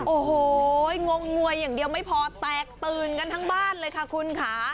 โอ้โหงงงวยอย่างเดียวไม่พอแตกตื่นกันทั้งบ้านเลยค่ะคุณค่ะ